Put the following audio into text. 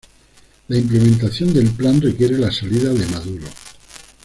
La implementación del plan requiere la salida de Maduro.